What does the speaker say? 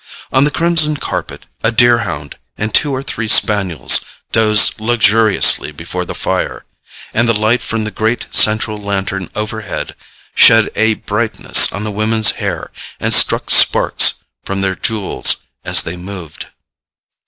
On the crimson carpet a deer hound and two or three spaniels dozed luxuriously before the fire, and the light from the great central lantern overhead shed a brightness on the women's hair and struck sparks from their jewels as they moved.